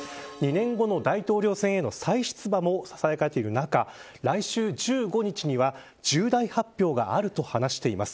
２年後の大統領選への再出馬もささやかれる中来週１５日には重大発表があると話しています。